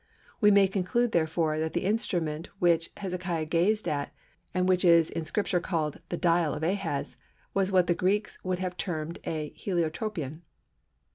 We may conclude, therefore, that the instrument which Hezekiah gazed at, and which is called in Scripture, the "Dial" of Ahaz, was what the Greeks would have termed a Heliotropion.